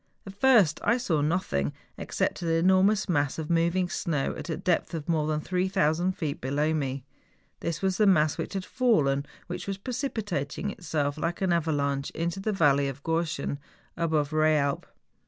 At first I saw nothing except an enor¬ mous mass of moving snow at a depth of more than 3000 feet below me. This was the mass which had fallen which was precipitating itself like an ava¬ lanche into the Valley of Gorschen, above Eealp.